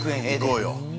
◆行こうよ。